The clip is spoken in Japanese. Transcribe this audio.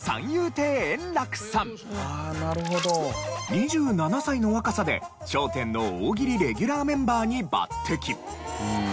２７歳の若さで『笑点』の大喜利レギュラーメンバーに抜擢。